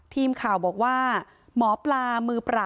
ทีมข่าวบอกว่าหมอปลามือปราบ